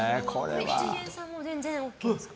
一見さんも全然ＯＫですか？